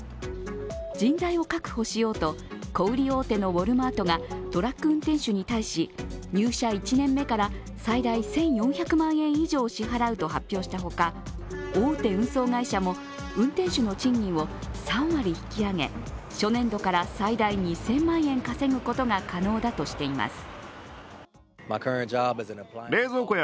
人材を確保しようと小売り大手のウォルマートがトラック運転手に対し入社１年目から最大１４００万円以上支払うと発表したほか、大手運送会社も運転手の賃金を３割引き上げ初年度から最大２０００万円稼ぐことが可能だとしています。